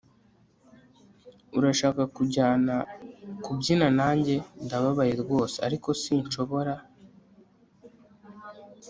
urashaka kujyana kubyina nanjye? ndababaye rwose, ariko sinshobora